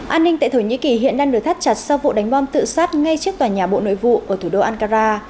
an ninh tại thổ nhĩ kỳ hiện đang được thắt chặt sau vụ đánh bom tự sát ngay trước tòa nhà bộ nội vụ ở thủ đô ankara